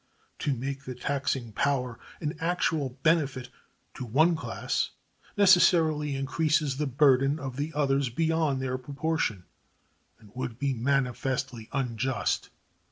To make the taxing power an actual benefit to one class necessarily increases the burden of the others beyond their proportion, and would be manifestly unjust.